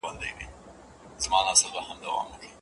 ما تېره ورځ خپل ورور ته د هغه ګناه وبښله.